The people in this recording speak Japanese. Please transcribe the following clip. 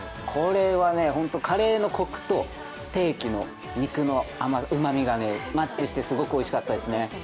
これはカレーのこくとステーキの肉のうまみがマッチしてすごくおいしかったですね。